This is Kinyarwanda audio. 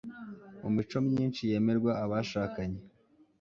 mu mico myinshi yemererwa abashakanye